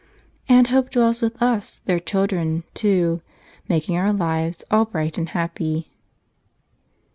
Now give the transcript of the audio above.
And Hope dwells with us, their chil¬ dren, too, making our lives all bright and happy.